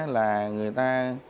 là người ta